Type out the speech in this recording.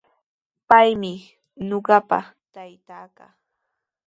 Paymi ñuqapa taytaaqa.